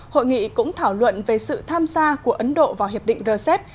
hội nghị cũng thảo luận về sự tham gia của ấn độ vào hiệp định rcep